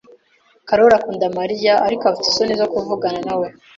Karoli akunda Mariya, ariko afite isoni zo kuvugana nawe.